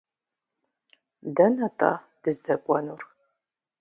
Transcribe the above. Дэнэ-тӏэ дыздэкӏуэнур?